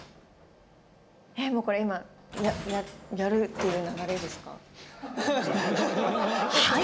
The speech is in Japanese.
えっもうこれ今はいやるっていう流れです。